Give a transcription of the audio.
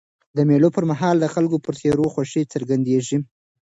د مېلو پر مهال د خلکو پر څېرو خوښي څرګندېږي.